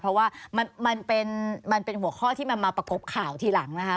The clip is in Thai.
เพราะว่ามันเป็นหัวข้อที่มันมาประกบข่าวทีหลังนะคะ